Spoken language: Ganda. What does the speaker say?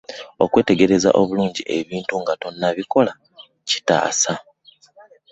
okwetegereza obulungi ebintu nga tonnabikola kitaasa.